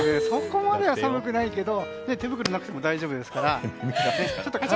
そこまでは寒くないけど手袋なくても大丈夫ですから。